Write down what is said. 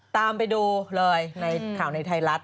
ตามไปดูเลยในข่าวในไทยรัฐ